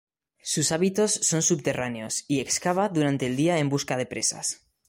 Sus hábitos son subterráneos y excava durante el día en busca de presas.